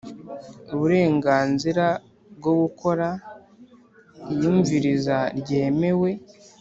Uburenganzira bwo gukora iyumviriza ryemewe